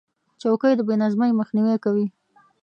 چوکۍ د بې نظمۍ مخنیوی کوي.